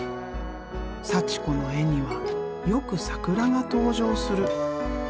祥子の絵にはよく桜が登場する。